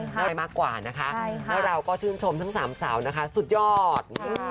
ได้มากกว่านะคะแล้วเราก็ชื่นชมทั้งสามสาวนะคะสุดยอด